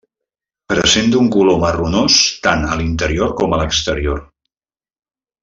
Presenta un color marronós tant a l’interior com a l’exterior.